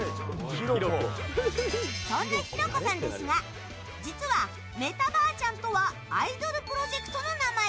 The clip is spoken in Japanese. そんな、ひろこさんですが実はメタばあちゃんとはアイドルプロジェクトの名前。